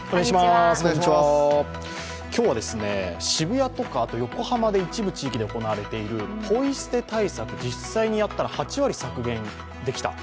今日は渋谷とか横浜で一部地域で行われているポイ捨て対策、実際にやったら８割削減できた。